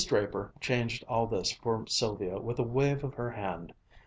Draper changed all this for Sylvia with a wave of her wand.